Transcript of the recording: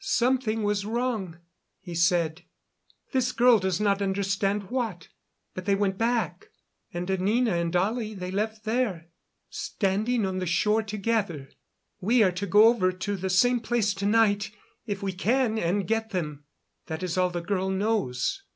Something was wrong, he said. This girl does not understand what. But they went back. And Anina and Ollie they left there, standing on the shore together. We are to go over to the same place to night, if we can, and get them. That is all the girl knows."